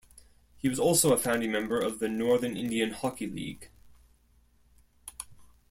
He was also a founding member of the Northern Indian Hockey League.